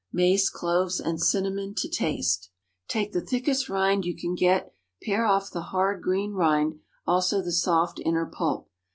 Mace, cloves, and cinnamon to taste. Take the thickest rind you can get, pare off the hard green rind, also the soft inner pulp.